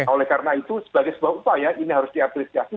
oleh karena itu sebagai sebuah upaya ini harus diapresiasi